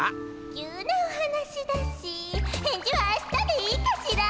急なお話だし返事は明日でいいかしら？